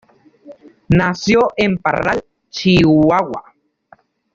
Nació en Parral, Chihuahua.